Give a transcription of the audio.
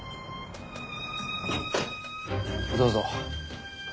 どうぞ。